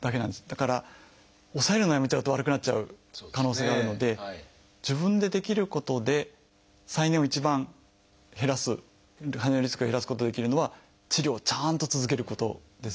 だから抑えるのをやめちゃうと悪くなっちゃう可能性があるので自分でできることで再燃を一番減らす再燃のリスクを減らすことができるのは治療をちゃんと続けることですね。